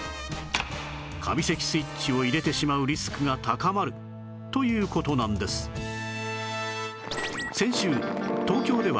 カビ咳スイッチを入れてしまうリスクが高まるという事なんですを記録